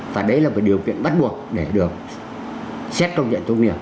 và đấy là một điều kiện bắt buộc để được xét công nhận tốt nghiệp